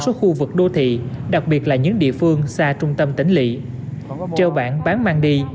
số khu vực đô thị đặc biệt là những địa phương xa trung tâm tỉnh lị treo bản bán mang đi